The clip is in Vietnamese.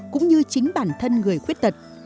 cũng như chính bản thân người khuyết tật